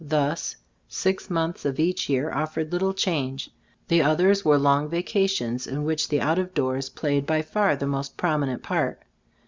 Thus six months of each year offered little change, the others were long vaca tions in which the out of doors played by far the most prominent part.